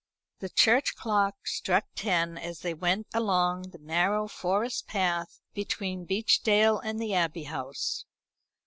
The church clock struck ten as they went along the narrow forest path between Beechdale and the Abbey House.